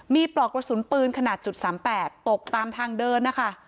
มีปลอกกระสุนปืนขนาด๓๘ตกตามทางเดินนะคะ